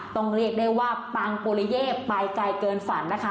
ต้องเรียกได้ว่าปังปุริเย่ไปไกลเกินฝันนะคะ